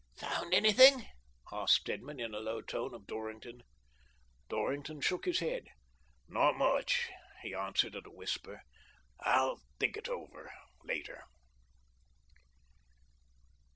" Found anything ?" asked Stedman in a low tone of Dorrington. Dorrington shook his head. "Not much," he answered at a whisper. " I'll think over it later."